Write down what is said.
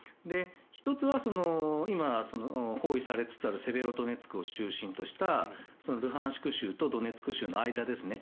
１つは今、包囲されつつあるセベロドネツクを中心としたルハンシク州とドネツク州の間ですね。